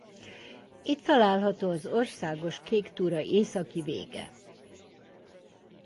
Itt található az Országos Kéktúra északi vége.